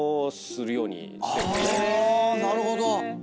なるほど。